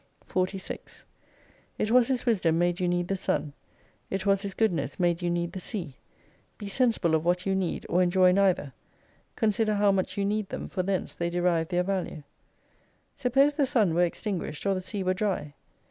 31 46 It was His wisdom made you need the Sun. It was His goodness made you need the sea. Be sensible of what you need, or enjoy neither. Consider how much you need them, for thence they derive their value. Suppose the sun were extinguished : or the sea were dry.